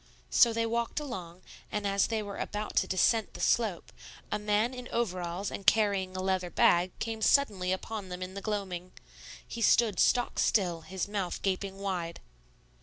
So they walked along; and as they were about to descent the slope, a man in overalls and carrying a leather bag came suddenly upon them in the gloaming. He stood stock still, his mouth gaping wide.